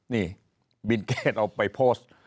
นี่บิลเกจออกไปโพสต์